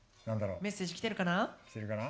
メッセージ来てるかな？